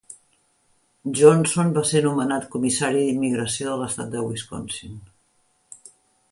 Johnson va ser nomenat Comissari d'Immigració de l'estat de Wisconsin.